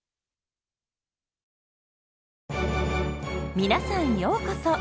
皆さんようこそ！